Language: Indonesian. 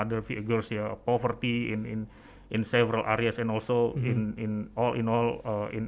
saya rasa yang penting seperti yang anda katakan